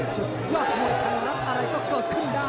ซึ่งแต่แบบสุดยอดบวนของทาง